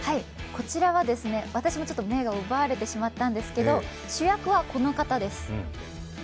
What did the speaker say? こちらは私もちょっと目を奪われてしまったんですけど、主役はこの方です。